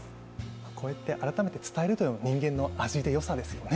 こうやって改めて伝えるというのが人間の味と良さですよね。